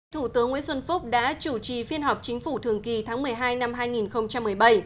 thủ tướng nguyễn xuân phúc đã chủ trì phiên họp chính phủ thường kỳ tháng một mươi hai năm hai nghìn một mươi bảy